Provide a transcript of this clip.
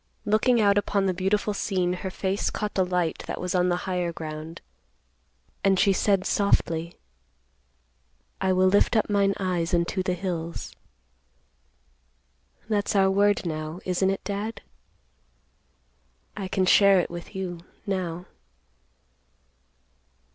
Looking out upon the beautiful scene, her face caught the light that was on the higher ground, and she said softly, "'I will lift up mine eyes unto the hills.' That's our word, now, isn't it, Dad? I can share it with you, now."